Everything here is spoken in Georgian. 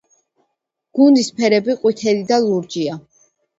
გუნდის ფერები ყვითელი და ლურჯია.